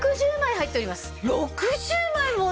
６０枚も！